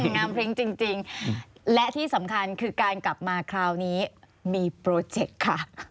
งามพริ้งจริงและที่สำคัญคือการกลับมาคราวนี้มีโปรเจคค่ะ